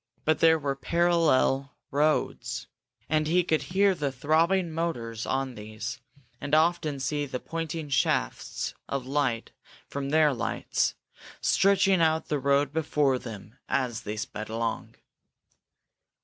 But there were parallel roads, and he could hear the throbbing motors on these, and often see the pointing shafts of light from their lights, searching out the road before them as they sped along.